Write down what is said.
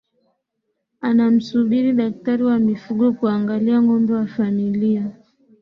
anamsubiri daktari wa mifugo kuangalia ngombe wa familia